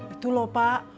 itu lho pak